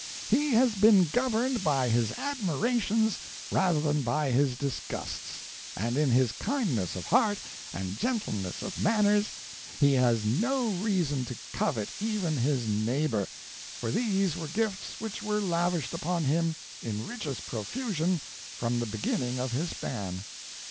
He has been governed by his admirations rather than by his disgusts, and in his kindness of heart and gentleness of manners, he has had no reason to covet even his neighbor, for these were gifts which were lavished upon him in richest profusion from the beginning of his span.